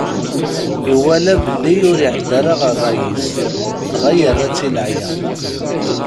Iwala belli ur iɛedda ara ṛṛay-is, dɣa yerra-tt i leɛyaḍ.